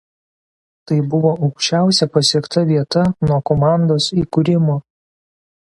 Tai buvo aukščiausia pasiekta vieta nuo komandos įkūrimo.